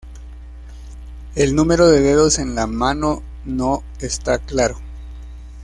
El número de dedos en la mano no está claro.